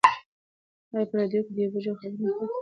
ایا په راډیو کې د یوې بجې خبرونه پای ته ورسېدل؟